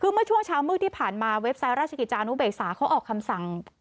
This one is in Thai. คือเมื่อช่วงเช้ามืดที่ผ่านมาเว็บไซต์ราชกิจจานุเบกษาเขาออกคำสั่ง